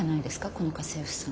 この家政婦さん。